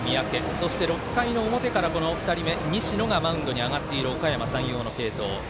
そして、６回の表からこの２番目、西野がマウンドに上がっているおかやま山陽の継投。